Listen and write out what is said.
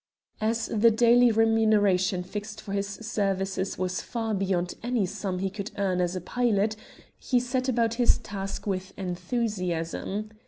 As the daily remuneration fixed for his services was far beyond any sum he could earn as a pilot, he set about his task with enthusiasm.